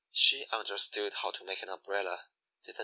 She understood how to make an umbrella, didn't she?